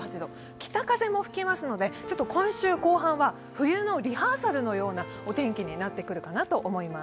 北風も吹きますので今週後半は冬のリハーサルのようなお天気になってくると思います。